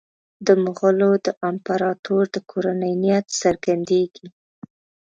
د مغولو د امپراطور د کورنۍ نیت څرګندېږي.